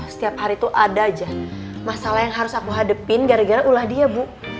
setiap hari tuh ada aja masalah yang harus aku hadapin gara gara ulah dia bu